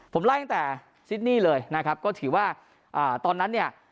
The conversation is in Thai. ผมไล่ตั้งแต่ซิดนี่เลยนะครับก็ถือว่าตอนนั้นเนี่ย